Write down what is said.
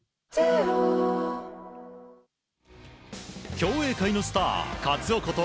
競泳界のスターカツオこと